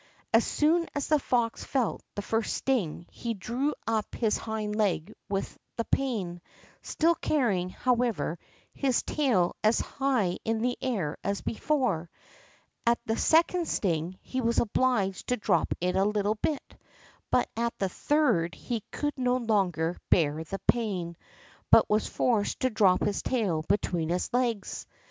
As soon as the fox felt the first sting he drew up his hind leg with the pain, still carrying, however, his tail as high in the air as before; at the second sting he was obliged to drop it a little bit; but at the third he could no longer bear the pain, but was forced to drop his tail between his legs.